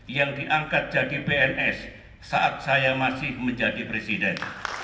yang diangkat jadi pns saat saya masih menjadi presiden